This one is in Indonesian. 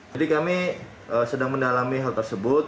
kami sedang mendalami hal tersebut